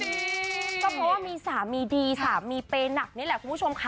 เพราะว่ามีสามีดีสามีเปย์หนักนี่แหละคุณผู้ชมค่ะ